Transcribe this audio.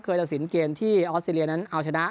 ตัดสินเกมที่ออสเตรเลียนั้นเอาชนะ